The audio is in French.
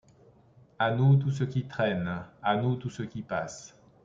A nous tout ce qui traîne ! à nous tout-ce qui passe !